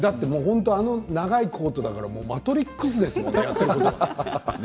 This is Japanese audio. あの、長いコートだからマトリックスですもんね。